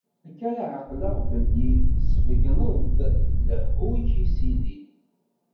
Akka ara ɛeqleɣ belli tesbeggneḍ-d lehhu-k i sidi.